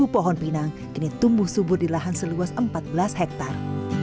pohon pinang kini tumbuh subur di lahan seluas empat belas hektare